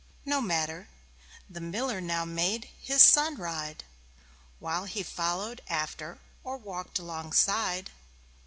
No matter. The Miller now made his Son ride, While he followed after or walked alongside.